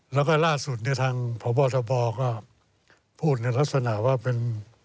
แล้วก็ล่าสุดที่ทางผ่าวัตถบท์ก็พูดในลักษณะว่าเป็น